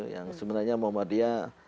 yang sebenarnya muhammadiyah